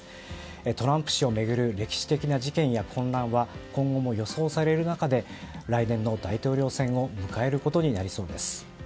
トランプ氏を巡る歴史的な事件や混乱は今後も予想される中で来年の大統領選を迎えることになりそうです。